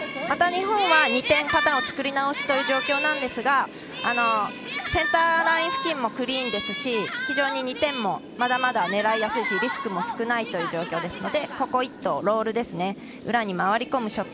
また日本は２点パターンを作り直したい状況なんですがセンターライン付近もクリーンですし、非常に２点もまだまだ狙いやすいしリスクも少ない状況ですのでここ１投、ロールですね